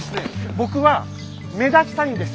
僕は目立ちたいんです。